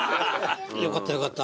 よかったよかった。